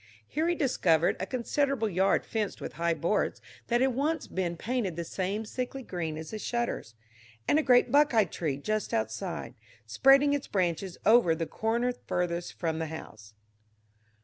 Here he discovered a considerable yard fenced with high boards that had once been painted the same sickly green as the shutters, and a great buckeye tree just outside, spreading its branches over the corner furthest from the house.